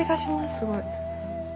すごい。